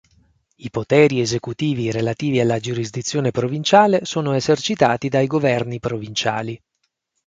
I poteri esecutivi relativi alla giurisdizione provinciale sono esercitati dai governi provinciali.